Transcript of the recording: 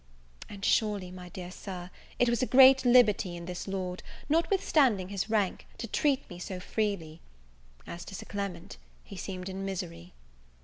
And, surely, my dear Sir, it was a great liberty in this lord, not withstanding his rank, to treat me so freely. As to Sir Clement, he seemed in misery.